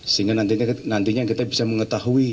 sehingga nantinya kita bisa mengetahui